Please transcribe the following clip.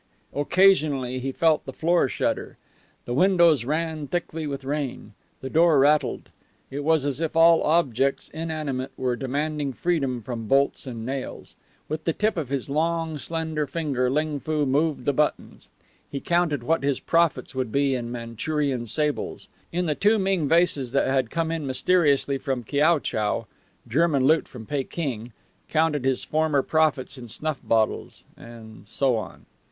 Occasionally he felt the floor shudder. The windows ran thickly with rain. The door rattled. It was as if all objects inanimate were demanding freedom from bolts and nails. With the tip of his long, slender finger Ling Foo moved the buttons. He counted what his profits would be in Manchurian sables; in the two Ming vases that had come in mysteriously from Kiao chau German loot from Peking; counted his former profits in snuff bottles, and so on.